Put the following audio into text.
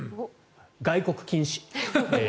外国禁止。